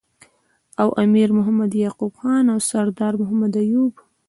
او امیر محمد یعقوب خان او سردار محمد ایوب